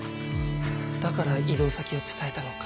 だから異動先を伝えたのか。